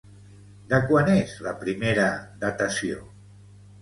De quan és la primera datació?